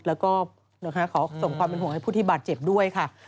แล้วก็ขอส่งความเป็นห่วงให้ผู้ที่บาดเจ็บด้วยค่ะ